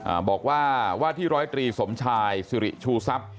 อ่าบอกว่าว่าที่ร้อยตรีสมชายสิริชูทรัพย์